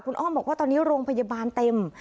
คุณอ้อมบอกว่าตอนนี้โรงพยาบาลเต็ม